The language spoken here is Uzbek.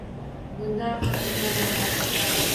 Bundan faxrlanardim.